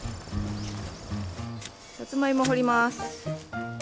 さつまいも掘ります。